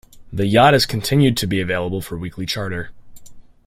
The yacht has continued to be available for weekly charter.